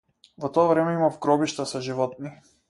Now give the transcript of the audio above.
Во тоа време имав гробишта со животни.